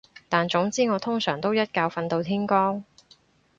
但總之我通常都一覺瞓到天光